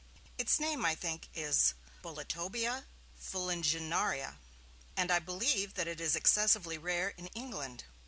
Its name, I think is, 'Boletobia fuliginaria', and I believe that it is excessively rare in England.